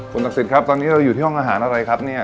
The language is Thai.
คุณศักดิ์สิทธิ์ครับตอนนี้เราอยู่ที่ห้องอาหารอะไรครับเนี่ย